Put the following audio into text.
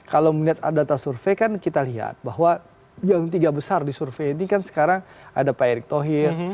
kalau melihat data survei kan kita lihat bahwa yang tiga besar di survei ini kan sekarang ada pak erick thohir